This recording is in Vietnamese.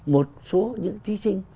một số những thí sinh